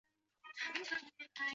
区内也有许多公寓。